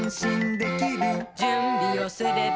「じゅんびをすれば」